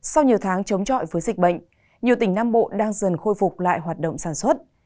sau nhiều tháng chống trọi với dịch bệnh nhiều tỉnh nam bộ đang dần khôi phục lại hoạt động sản xuất